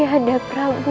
ayah ada prabu